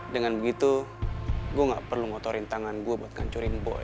dengan begitu gue gak perlu ngotorin tangan gue buat ngancurin bot